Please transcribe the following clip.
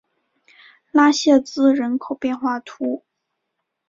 拉谢兹人口变化图示